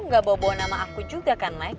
gak bawa bawa nama aku juga kan naik